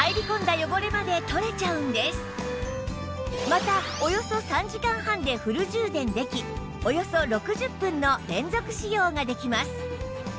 またおよそ３時間半でフル充電できおよそ６０分の連続使用ができます